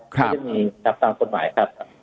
จะมีตามควบหมายครับ